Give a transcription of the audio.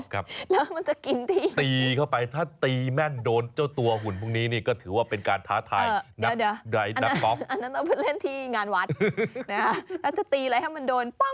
แล้วจะตีอะไรให้มันโดนป้ังแล้วได้ตุ๊กตากลับบ้าน